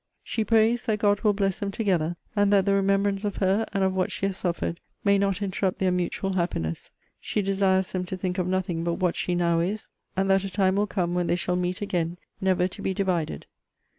She prays, 'That God will bless them together; and that the remembrance of her, and of what she has suffered, may not interrupt their mutual happiness; she desires them to think of nothing but what she now is; and that a time will come when they shall meet again, never to be divided.